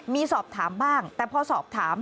มีสอบถามบ้างแต่พอสอบถาม